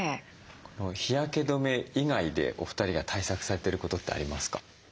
日焼け止め以外でお二人が対策されてることってありますか？